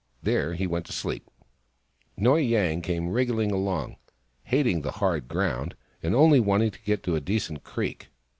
There he went to sleep. Noy Yang came wriggling along, hating the hard ground, and only wanting to get to a decent creek.